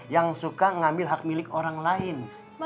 yang suka ngambil hak milik orang lain